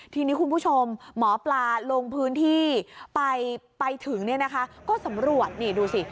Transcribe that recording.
ทีนี้คุณผู้ชมหมอปลาลงพื้นที่ไปไปถึงเนี่ยนะคะก็สำรวจนี่ดูสิ